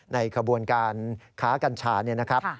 ในขบวนการค้ากัญชาเนี่ยนะครับ